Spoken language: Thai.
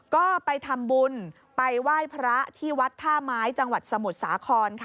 ก็ไปทำบุญไปไหว้พระที่วัดท่าไม้จังหวัดสมุทรสาครค่ะ